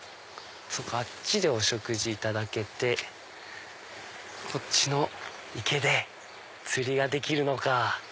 そうかあっちでお食事いただけてこっちの池で釣りができるのか。